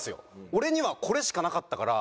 俺にはこれしかなかったから。